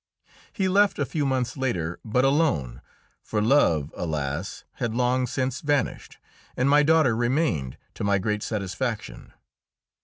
He left a few months later, but alone for love, alas! had long since vanished and my daughter remained, to my great satisfaction.